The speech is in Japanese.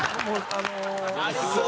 ありそう！